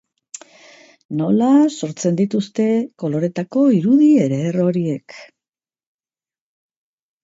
Nola sortzen dituzte koloretako irudi eder horiek?